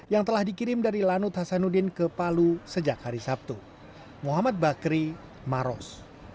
yang telah dikirim dari lanut hasanuddin ke palu sejak hari sabtu muhammad bakri maros